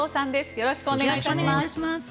よろしくお願いします。